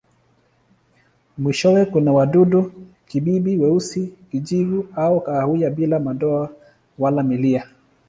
Mwishowe kuna wadudu-kibibi weusi, kijivu au kahawia bila madoa wala milia.